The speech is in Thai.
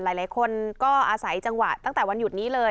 หลายคนก็อาศัยจังหวะตั้งแต่วันหยุดนี้เลย